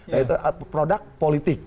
nah itu produk politik